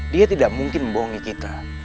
dia tidak mungkin membohongi kita